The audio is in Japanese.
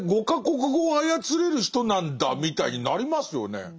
５か国語を操れる人なんだみたいになりますよね。